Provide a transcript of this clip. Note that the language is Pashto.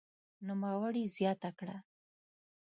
نوموړي زياته کړه